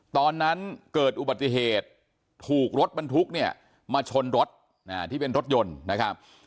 ตอนนั้นเกิดอุบัติเหตุถูกรถบรรทุกเนี่ยมาชนรถที่เป็นรถยนต์นะครับ